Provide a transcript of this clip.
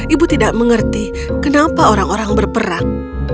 ibu tidak mengerti kenapa orang orang berperang